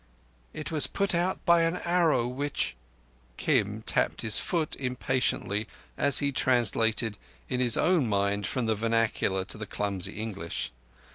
It was put out by an Arrow which—" Kim tapped his foot impatiently as he translated in his own mind from the vernacular to his clumsy English.